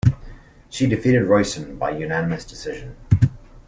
She defeated Ruyssen by unanimous decision.